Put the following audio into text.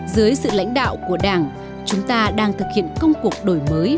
dưới sự lãnh đạo của đảng chúng ta đang thực hiện công cuộc đổi mới